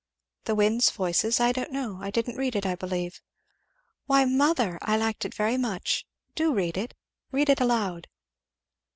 "'The wind's voices'? I don't know I didn't read it, I believe." "Why mother! I liked it very much. Do read it read it aloud."